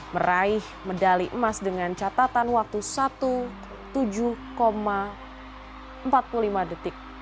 meraih medali emas dengan catatan waktu satu tujuh empat puluh lima detik